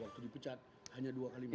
waktu dipecat hanya dua kali